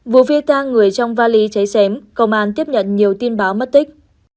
vụ phi tăng người trong vali cháy xém công an tiếp nhận nhiều tin báo mất tích